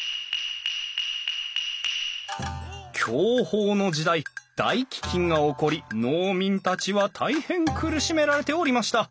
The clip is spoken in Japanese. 享保の時代大飢饉が起こり農民たちは大変苦しめられておりました。